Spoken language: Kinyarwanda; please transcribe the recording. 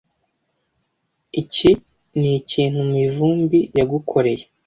Iki nikintu Mivumbi yagukoreye.